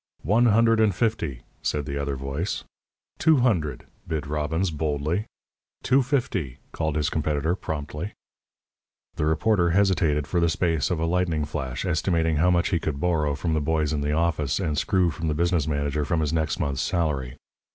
"One hundred and fifty," said the other voice. "Two hundred," bid Robbins, boldly. "Two fifty," called his competitor, promptly. The reporter hesitated for the space of a lightning flash, estimating how much he could borrow from the boys in the office, and screw from the business manager from his next month's salary.